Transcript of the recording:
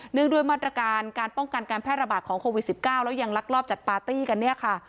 งด้วยมาตรการการป้องกันการแพร่ระบาดของโควิด๑๙แล้วยังลักลอบจัดปาร์ตี้กันเนี่ยค่ะ